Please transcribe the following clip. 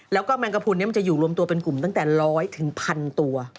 แล้วก็แมงกระพุนนี้มันจะอยู่รวมตัวเป็นกลุ่มตั้งแต่๑๐๐พันตัว